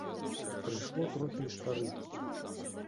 Прыйшло трохі і старых.